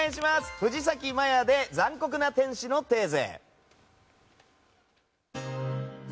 藤咲まやで「残酷な天使のテーゼ」。